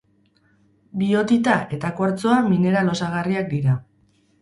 Biotita eta kuartzoa mineral osagarriak dira.